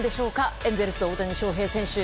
エンゼルス、大谷翔平選手。